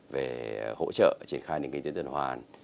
về hỗ trợ triển khai nền kinh tế tư đoàn hoàn